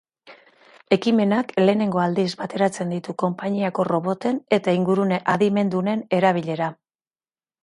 Ekimena lehenengo aldiz bateratzen ditu konpainiako roboten eta ingurune adimendunen erabilera etxeetan.